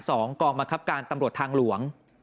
กองบังคับการตำรวจทางหลวง